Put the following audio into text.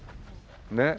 ねっ。